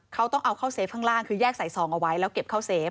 เขาต้องเอาเข้าเฟฟข้างล่างคือแยกใส่ซองเอาไว้แล้วเก็บเข้าเซฟ